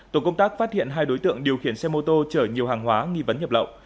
tổ công tác phát hiện hai đối tượng điều khiển xe mô tô chở nhiều hàng hóa nghi vấn nhập lậu